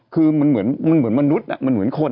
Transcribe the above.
คือมันเหมือนมนุษย์มันเหมือนคน